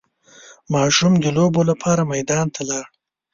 ماشوم د لوبو لپاره میدان ته لاړ.